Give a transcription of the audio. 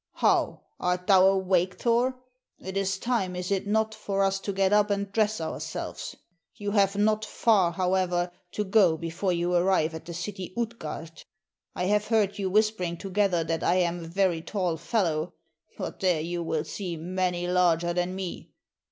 How! art thou awake, Thor? It is time, is it not, for us to get up and dress ourselves? You have not far, however, to go before you arrive at the city Utgard. I have heard you whispering together that I am a very tall fellow, but there you will see many larger than me.